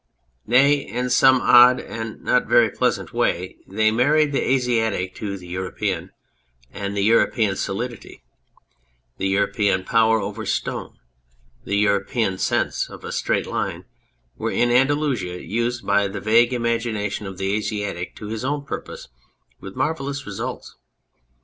Nay, in some odd (and not very pleasant) way they married the Asiatic to the European, and the European solidity, the European power over stone, the European sense of a straight line, were in Andalusia used by the vague imagination of the Asiatic to his own purpose, with marvellous results.